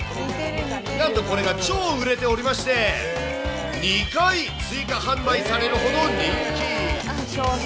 なんとこれが超売れておりまして、２回追加販売されるほど人気。